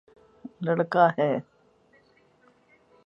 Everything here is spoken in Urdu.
یے لڑکا ہے